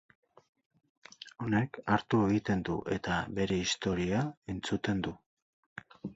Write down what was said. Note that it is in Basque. Honek, hartu egiten du eta bere istorioa entzuten du.